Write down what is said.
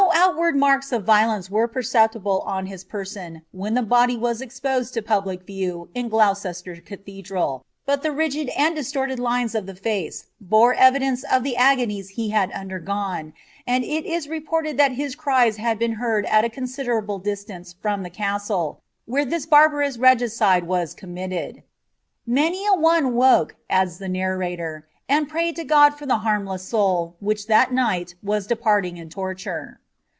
ontwarJ marks of violence were perceptible on his person, when ia body was exposed lo public view in Gloucester i:nthMlral, bul the r^ and distorted lines of die bee bore evidence of the agonies he hnl M dergone, and it is reported thai his cries had been heaid at a coMJitftrti distance from the castle, where (his barbarous regicide was eomniillii t' Many a one woke," adds the narrator, " and ptayed to Got) for it harmless soul, which that night was departing in torture."'